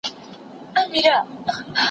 ټولنیز تحلیل د واقعیت د درک وسیله ده.